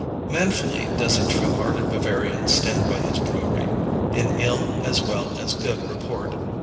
Manfully does a true hearted Bavarian stand by his brewery, in ill as well as good report.